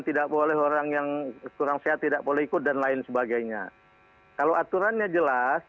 tidak boleh orang yang kurang sehat tidak boleh ikut dan lain sebagainya kalau aturannya jelas